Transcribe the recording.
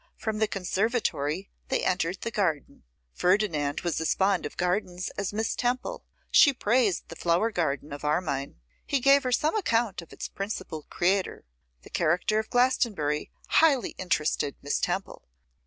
From the conservatory they entered the garden; Ferdinand was as fond of gardens as Miss Temple. She praised the flower garden of Armine. He gave her some account of its principal creator. The character of Glastonbury highly interested Miss Temple.